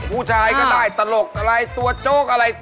ผู้ชายก็ได้ตลกอะไรตัวโจ๊กอะไร